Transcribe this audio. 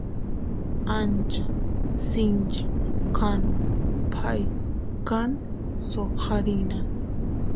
ancha sinchi kan pay kan soqarina